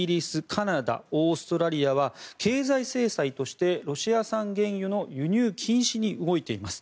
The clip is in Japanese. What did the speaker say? カナダ、オーストラリアは経済制裁としてロシア産原油の輸入禁止に動いています。